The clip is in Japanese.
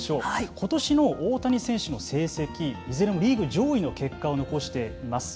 ことしの大谷選手の成績いずれもリーグ上位の結果を残しています。